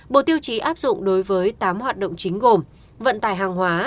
bộ tiêu chí áp dụng đối với tám hoạt động chính gồm vận tải hàng hóa